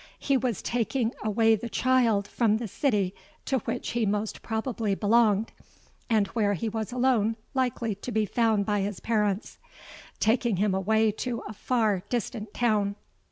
He was taking away the child from the city to which he most probably belonged, and where he was alone likely to be found by his parents,—taking him away to a far distant town.